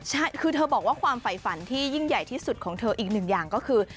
ใช่คือเธอบอกว่าความฝ่ายฝันที่ยิ่งใหญ่ที่สุดของเธออีกหนึ่งอย่างก็คือ